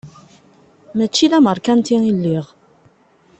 Mačči d ameṛkanti i lliɣ.